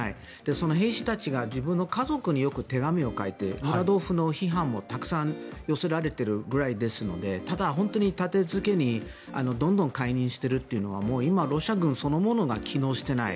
その兵士たちが自分たちの家族によく手紙を書いてムラドフへの批判も寄せられているのでただ本当に立て続けにどんどん解任しているというのは今、ロシア軍そのものが機能していない。